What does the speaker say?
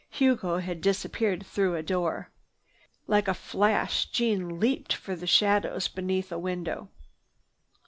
Hugo had disappeared through a door. Like a flash Jeanne leaped for the shadows beneath a window.